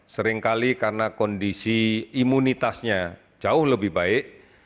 seringkali karena kondisi imunitasnya jauh lebih baik